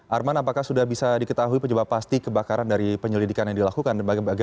arman apakah sudah bisa diketahui penyebab pasti kebakaran dari penyelidikan yang dilakukan